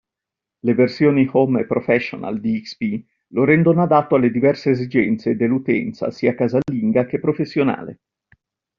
Le versioni Home e Professional di XP, lo rendono adatto alle diverse esigenze dell'utenza sia casalinga che professionale.